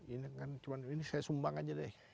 ini kan cuma ini saya sumbang aja deh